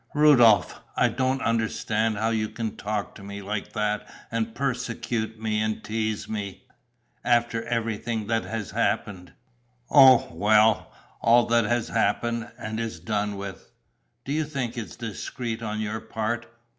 "Rudolph, I don't understand how you can talk to me like that and persecute me and tease me ... after everything that has happened...." "Oh, well, all that has happened and is done with!" "Do you think it's discreet on your part